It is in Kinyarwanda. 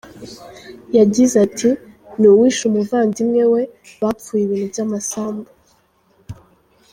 Yagize ati “Ni uwishe umuvandimwe we, bapfuye ibintu by’amasambu.